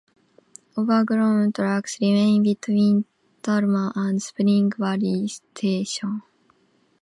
Overgrown tracks remain between Tallman and Spring Valley station.